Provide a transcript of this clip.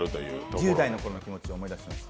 １０代の頃の気持ちを思い出しました。